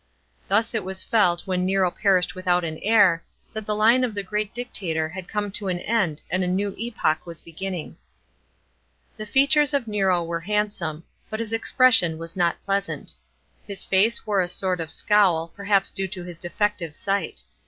Thus it was felt, when Nero perished without an heir, that the line of the great Dictator had come to an end and a new epoch was beginning. § 24. The features of Nero were handsome, but his expression was no' pleasant. His face wore a sort of scowl, perhaps due to his defective sight.